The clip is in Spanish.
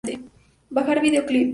Bajar video clip